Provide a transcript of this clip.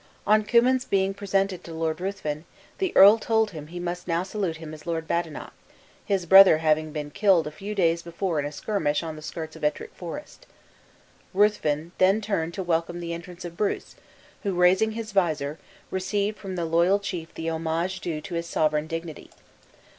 On Cummin's being presented to Lord Ruthven, the earl told him he must now salute him as Lord Badenoch, his brother having been killed a few days before in a skirmish on the skirts of Ettrick Forest. Ruthven then turned to welcome the entrance of Bruce, who, raising his visor, received from the loyal chief the homage due to his sovereign dignity.